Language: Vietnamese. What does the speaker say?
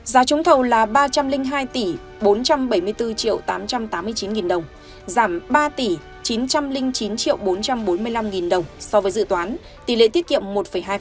giá trúng thầu là ba trăm linh hai tỷ bốn trăm bảy mươi bốn triệu tám trăm tám mươi chín nghìn đồng giảm ba tỷ chín trăm linh chín bốn trăm bốn mươi năm nghìn đồng so với dự toán tỷ lệ tiết kiệm một hai